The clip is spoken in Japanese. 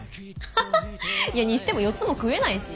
ハハハにしても４つも食えないし。